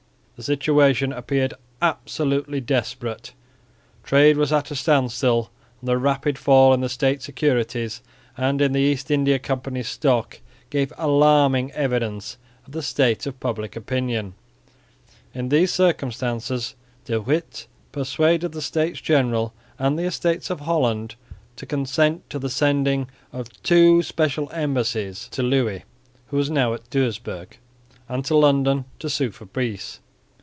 The situation appeared absolutely desperate; trade was at a standstill; and the rapid fall in the State securities and in the East India Company's stock gave alarming evidence of the state of public opinion. In these circumstances De Witt persuaded the States General and the Estates of Holland to consent to the sending of two special embassies to Louis, who was now at Doesburg, and to London, to sue for peace.